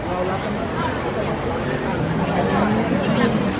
ช่องความหล่อของพี่ต้องการอันนี้นะครับ